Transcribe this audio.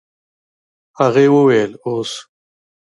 هغې وويل اوس.